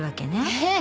ええ。